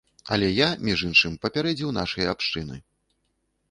Але я, між іншым, папярэдзіў нашыя абшчыны.